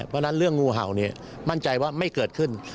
เพราะฉะนั้นเรื่องงูเห่าเนี่ยมั่นใจว่าไม่เกิดขึ้น